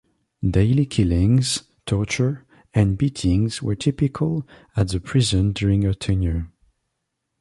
Daily killings, torture, and beatings were typical at the prison during her tenure.